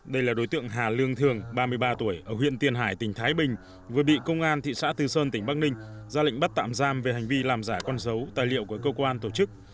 đây là đối tượng hà lương thường ba mươi ba tuổi ở huyện tiền hải tỉnh thái bình vừa bị công an thị xã từ sơn tỉnh bắc ninh ra lệnh bắt tạm giam về hành vi làm giả con dấu tài liệu của cơ quan tổ chức